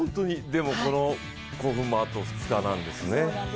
でもこの興奮もあと２日なんですね。